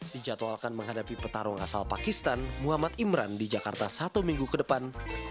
dijadwalkan menghadapi petarung asal pakistan muhammad imran di jakarta satu minggu ke depan